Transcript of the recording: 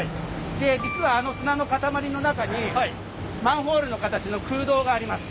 で実はあの砂の塊の中にマンホールの形の空洞があります。